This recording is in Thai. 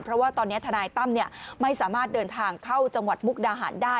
เพราะว่าตอนนี้ทนายตั้มไม่สามารถเดินทางเข้าจังหวัดมุกดาหารได้